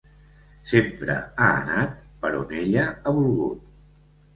Sempre ha anat per on ella ha volgut.